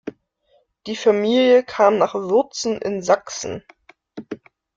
Die Familie kam nach Wurzen in Sachsen.